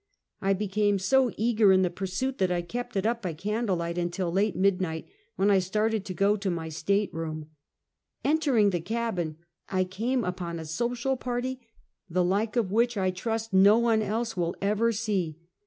I became so eager in the pui'suit that I kept it up by candle light, until late midnight, when I started to go to my stateroom. Entering the cabin, I came upon a social party, the like of which I trust no one else will ever see.